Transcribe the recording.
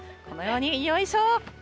このように、よいしょ。